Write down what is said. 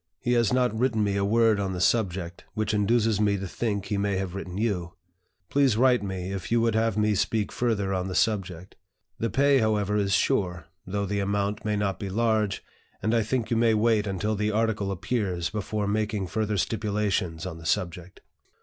He has not written me a word on the subject, which induces me to think he may have written you. Please write me if you would have me speak further on the subject. The pay, however, is sure, though the amount may not be large, and I think you may wait until the article appears, before making further stipulations on the subject."